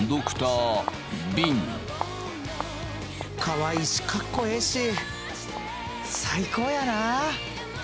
かわいいしかっこええし最高やな。